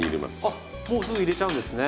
あっもうすぐ入れちゃうんですね。